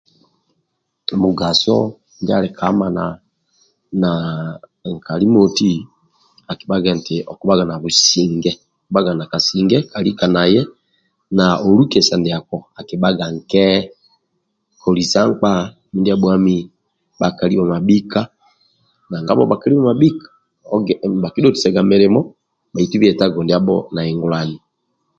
Mugaso ndia ali ka amana na nkali moti akibhaga nti okubhaga na businge okubhaga na kasinge kalika naye na olukesa ndiako akibhaga nke kolisa nkpa mindia abhuami bhakali bhamabhika nanga bho bhakali bhamabhika bhakidhotisaga milimo bhaitu bietago ndiabho nahingulani